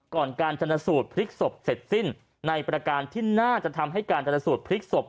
การชนสูตรพลิกศพเสร็จสิ้นในประการที่น่าจะทำให้การชนสูตรพลิกศพ